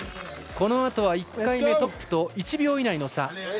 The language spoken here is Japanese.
このあとは１回目トップと１秒以内の差。